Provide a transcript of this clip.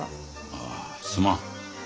ああすまん。